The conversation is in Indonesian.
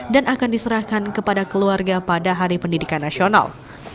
dan akan diserahkan kepada keluarga pada hari pendidikan nasional